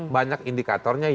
banyak indikatornya yang berbeda